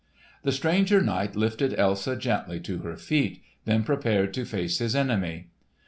The stranger knight lifted Elsa gently to her feet, then prepared to face his enemy.